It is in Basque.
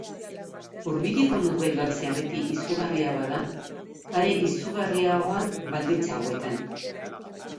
Hurbileko norbait galtzea beti izugarria bada, are izugarriagoa baldintza hauetan.